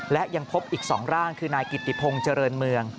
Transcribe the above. และยังพบอีก๒ร่างคือนายกิติพงศ์เจริญเมือง